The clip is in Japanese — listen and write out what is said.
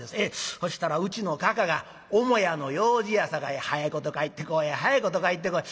そしたらうちのかかが母屋の用事やさかい早いこと帰ってこい早いこと帰ってこい